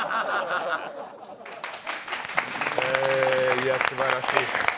いや、すばらしい。